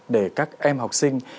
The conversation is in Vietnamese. để các em học sinh